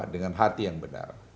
dengan hati yang benar